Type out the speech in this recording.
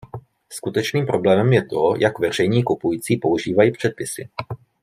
Skutečným problémem je to, jak veřejní kupující používají předpisy.